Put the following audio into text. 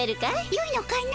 よいのかの？